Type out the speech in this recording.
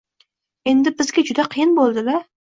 Endi bizga juda qiyin bo‘ldi-da